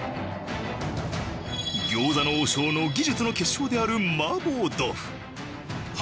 餃子の王将の技術の結晶である麻婆豆腐。